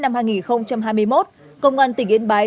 năm hai nghìn hai mươi một công an tỉnh yên bái